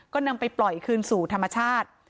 ก็นำไปปล่อยคืนสู่ธรรมชาติ